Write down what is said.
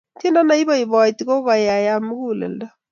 tiendo neipoipoiti kokaikaiyo mukuleldo